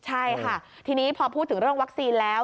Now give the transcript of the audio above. ใช่ค่ะทีนี้พอพูดถึงเรื่องวัคซีนแล้ว